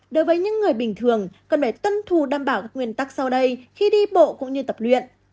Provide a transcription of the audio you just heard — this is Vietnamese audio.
đối với những người bình thường cần phải tân thù đảm bảo các nguyên tắc sau đây khi đi bộ cũng như tập luyện